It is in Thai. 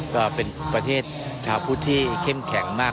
ก็เป็นประเทศชาวพุทธที่เข้มแข็งมาก